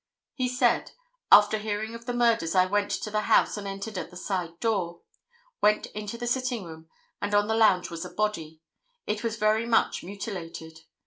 He said: "After hearing of the murders, I went to the house, and entered at the side door. Went into the sitting room and on the lounge was a body. It was very much mutilated.